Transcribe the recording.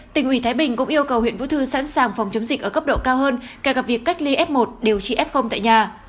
tỉnh ủy thái bình cũng yêu cầu huyện vũ thư sẵn sàng phòng chống dịch ở cấp độ cao hơn kể cả việc cách ly f một điều trị f tại nhà